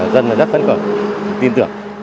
dân rất phấn khởi tin tưởng